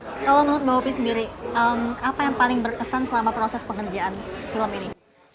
kalau menurut mbak opi sendiri apa yang paling berkesan selama proses pengerjaan film ini